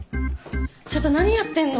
ちょっと何やってんの？